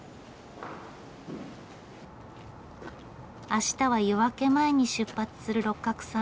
あしたは夜明け前に出発する六角さん。